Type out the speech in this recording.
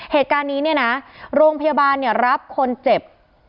เหตุการณ์นี้เนี่ยนะโรงพยาบาลเนี่ยรับคนเจ็บ